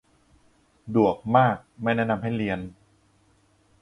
ดวกมาก ไม่แนะนำให้เรียน